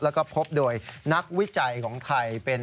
แล้วก็พบโดยนักวิจัยของไทยเป็น